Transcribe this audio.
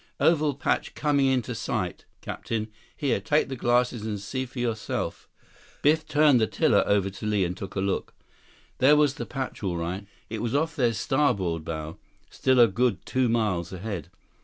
"Oval patch coming into sight, captain. Here, take the glasses and see for yourself." Biff turned the tiller over to Li and took a look. That was the patch, all right. It was off their starboard bow, still a good two miles ahead.